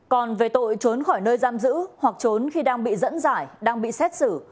còn về tội trốn khỏi nơi giam giữ hoặc trốn khi đang bị dẫn giải đang bị xét xử